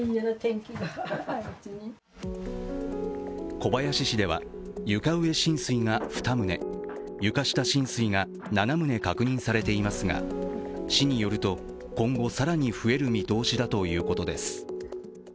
小林市では床上浸水が２棟、床下浸水が７棟確認されていますが、市によると今後更に増える見通しだということです。